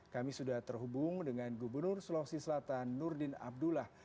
kami sudah terhubung dengan gubernur sulawesi selatan nurdin abdullah